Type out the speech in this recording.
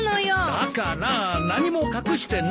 だから何も隠してないって！